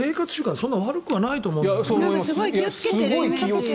そんなに悪くはないと思うんだけどな。